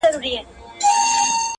• پوليس کور ته راځي ناڅاپه..